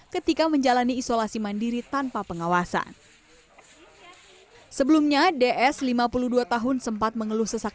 ketika menjalani isolasi mandiri tanpa pengawasan sebelumnya ds lima puluh dua tahun sempat mengeluh sesak